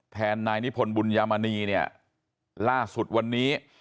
แทนนายนิพนธ์บุญยามณีเนี่ยล่าสุดวันนี้